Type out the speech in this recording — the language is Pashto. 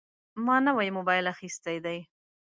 زه نوی موبایل اخیستی دی.